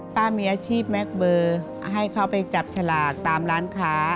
ป้ามีอาชีพแม็กเบอร์ให้เขาไปจับฉลากตามร้านค้า